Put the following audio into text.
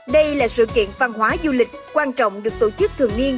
đây là sự kiện văn hóa du lịch quan trọng được tổ chức thường niên